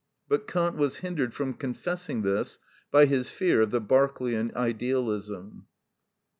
But Kant was hindered from confessing this by his fear of the Berkeleian idealism.